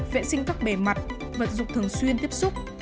vệ sinh các bề mặt vật dụng thường xuyên tiếp xúc